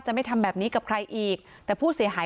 ไม่ทำแบบนี้กับใครอีกแต่ผู้เสียหาย